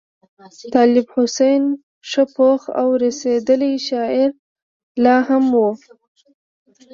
طالب حسین ښه پوخ او رسېدلی شاعر لا هم وو.